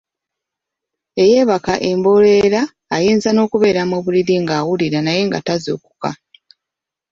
Eyeebaka emboleera ayinza n’okubeera mu buliri ng’awulira naye nga tazuukuka.